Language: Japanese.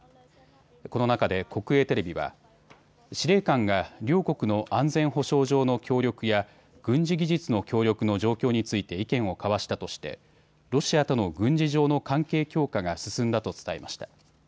この中で国営テレビは司令官が両国の安全保障上の協力や軍事技術の協力の状況について意見を交わしたとしてロシアとの軍事上の関係強化が進んだと伝えました。